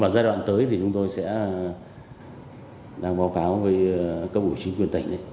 và giai đoạn tới thì chúng tôi sẽ đang báo cáo với các vụ chính quyền tỉnh